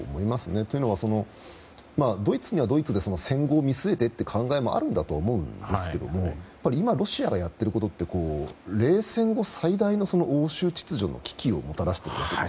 というのはドイツはドイツで戦後を見据えてという考えもあると思うんですけど今、ロシアがやっていることは冷戦後最大の欧州秩序の危機をもたらしているんです。